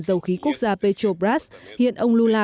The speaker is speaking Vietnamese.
dầu khí quốc gia petrobras hiện ông lula